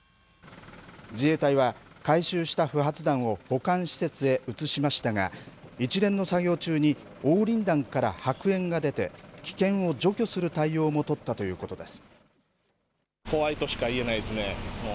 自衛隊は、回収した不発弾を保管施設へ移しましたが一連の作業中に黄リン弾から白煙が出て危険を除去する対応も取ったということです。